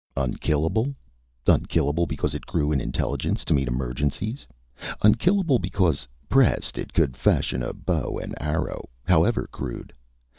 Unkillable? Unkillable because it grew in intelligence to meet emergencies? Unkillable because, pressed, it could fashion a bow and arrow, however crude?